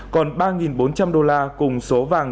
còn ba bốn trăm linh đô la cùng số vàng